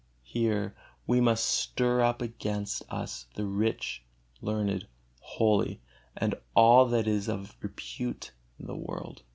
Here we must stir up against us the rich, learned, holy, and all that is of repute in the world.